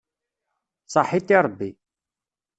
Ṣaḥit i Ṛebbi.